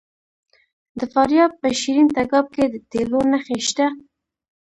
د فاریاب په شیرین تګاب کې د تیلو نښې شته.